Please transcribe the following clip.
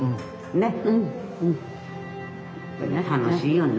ね楽しいよね。